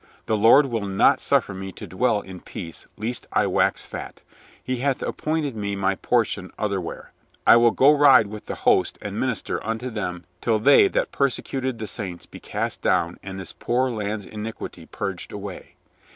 The Lord will not suffer me to dwell in peace lest I wax fat He hath appointed me my portion otherwhere. I will go ride with the host and minister unto them till they that persecuted the saints be cast down and this poor land's iniquity purged away.